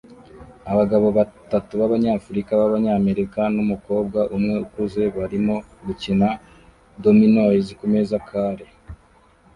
Abagabo batatu b'Abanyafrika b'Abanyamerika n'umukobwa umwe ukuze barimo gukina Dominoes kumeza kare